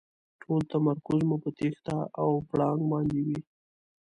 ټول تمرکز مو په تېښته او پړانګ باندې وي.